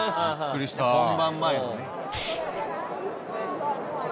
本番前のね。